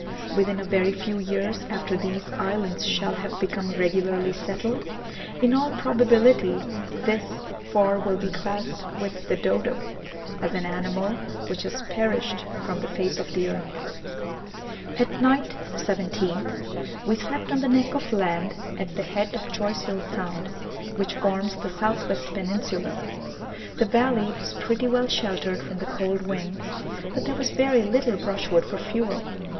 Within a very few years after these islands shall have become regularly settled, in all probability this for will be classed with the dodo, as an animal which has perished from the face of the earth. At night (17th) we slept on the neck of land at the head of Choiseul Sound, which forms the south west peninsula. The valley was pretty well sheltered from the cold wind, but there was very little brushwood for fuel.